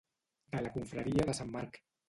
De la confraria de sant Marc.